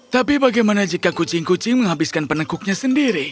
tapi bagaimana jika kucing kucing menghabiskan penekuknya sendiri